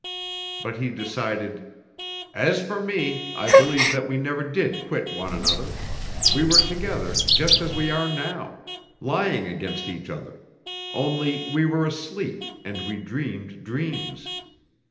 But he decided: "As for me, I believe that we never did quit one another; we were together just as we are now, lying against each other; only, we were asleep and we dreamed dreams.